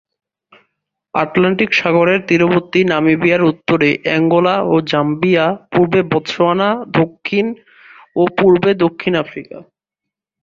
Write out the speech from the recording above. Atlantic সাগরের তীরবর্তী নামিবিয়ার উত্তরে অ্যাঙ্গোলা ও জাম্বিয়া পূর্বে বতসোয়ানা দক্ষিণ ও পূর্বে দক্ষিণ আফ্রিকা।